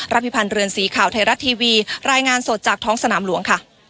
พิพันธ์เรือนสีข่าวไทยรัฐทีวีรายงานสดจากท้องสนามหลวงค่ะ